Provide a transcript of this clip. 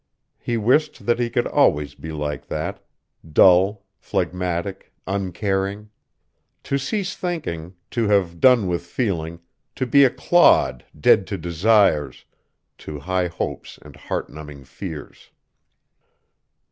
He wished that he could always be like that, dull, phlegmatic, uncaring. To cease thinking, to have done with feeling, to be a clod, dead to desires, to high hopes and heart numbing fears.